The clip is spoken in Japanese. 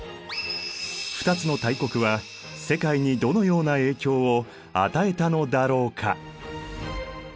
２つの大国は世界にどのような影響を与えたのだろうか？